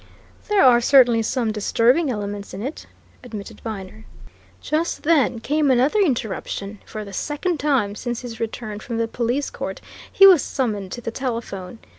"There are certainly some disturbing elements in it," admitted Viner. Just then came another interruption; for the second time since his return from the police court, he was summoned to the telephone.